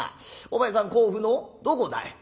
お前さん甲府のどこだい？」。